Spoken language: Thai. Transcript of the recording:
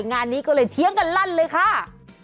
งานนี้ก็เลยเถียงกันลั่นเลยค่ะ